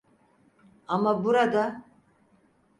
Ama burada…